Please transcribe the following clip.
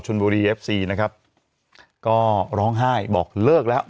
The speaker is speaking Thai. บุรีเอฟซีนะครับก็ร้องไห้บอกเลิกแล้ว